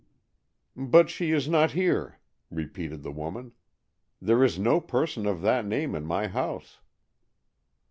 "But she is not here," repeated the woman. "There is no person of that name in my house."